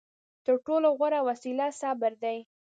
تر ټولو غوره وسله صبر دی.